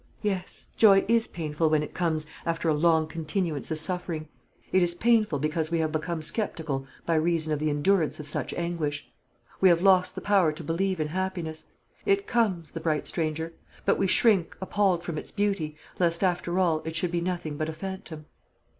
Yes, joy is painful when it comes after a long continuance of suffering; it is painful because we have become sceptical by reason of the endurance of such anguish. We have lost the power to believe in happiness. It comes, the bright stranger; but we shrink appalled from its beauty, lest, after all, it should be nothing but a phantom.